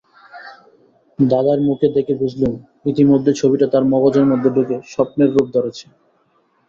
দাদার মুখ দেখে বুঝলুম, ইতিমধ্যে ছবিটা তাঁর মগজের মধ্যে ঢুকে স্বপ্নের রূপ ধরেছে।